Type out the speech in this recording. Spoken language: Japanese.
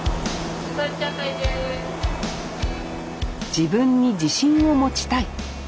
自分に自信を持ちたい。